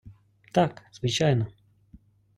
Так, звичайно.